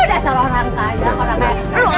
udah salah orang kaya orang kaya